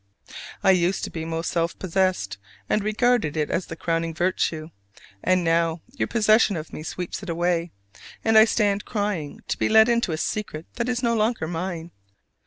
I used to be most self possessed, and regarded it as the crowning virtue: and now your possession of me sweeps it away, and I stand crying to be let into a secret that is no longer mine.